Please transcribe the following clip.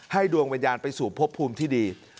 ดวงวิญญาณไปสู่พบภูมิที่ดี